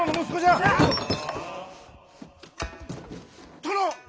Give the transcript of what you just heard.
殿！